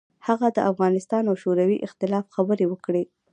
هغه د افغانستان او شوروي اختلاف خبرې وکړې.